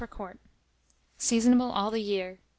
per quart. Seasonable all the year.